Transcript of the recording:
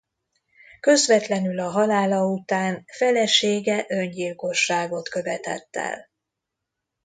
Közvetlenül a halála után felesége öngyilkosságot követett el.